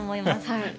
はい。